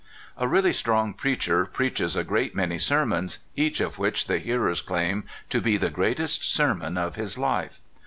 " A really strong preacher preaches a great many sermons, each of which the hearers claim to be the greatest sermon of his life.